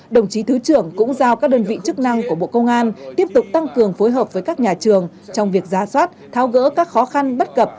đồng chí thứ trưởng cũng giao các đơn vị chức năng của bộ công an tiếp tục tăng cường phối hợp với các nhà trường trong việc giá soát thao gỡ các khó khăn bất cập